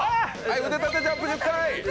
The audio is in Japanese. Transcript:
腕立てジャンプ１０回！